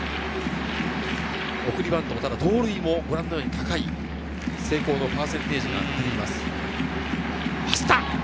送りバントも盗塁も高い成功のパーセンテージが出ています。